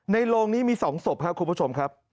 โรงนี้มี๒ศพครับคุณผู้ชมครับ